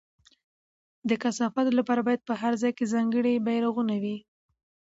د کثافاتو لپاره باید په هر ځای کې ځانګړي بېرغونه وي.